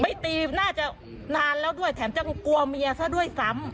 ตีน่าจะนานแล้วด้วยแถมจะกลัวเมียซะด้วยซ้ำ